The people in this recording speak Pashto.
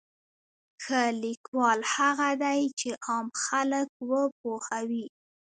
ښه لیکوال هغه دی چې عام خلک وپوهوي.